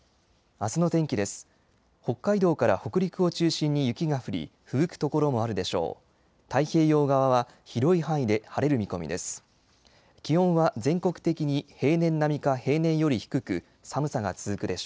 あすの天気です。